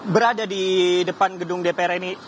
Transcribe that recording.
berada di depan gedung dpr ini